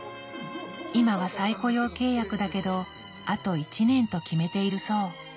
今は再雇用契約だけどあと１年と決めているそう。